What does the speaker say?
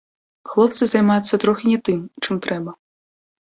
Хлопцы займаюцца троху не тым, чым трэба.